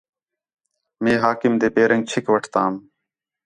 مئے حاکم تے پیرینک چِھک وٹھتام